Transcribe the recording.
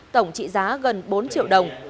tổng trị giá gần bốn triệu đồng